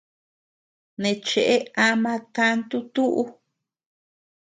Neʼe cheʼe ama kantu tuʼu.